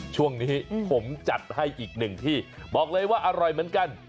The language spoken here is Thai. ช่วงนี้ผมจัดให้อีกหนึ่งที่บอกเลยว่าอร่อยเหมือนกัน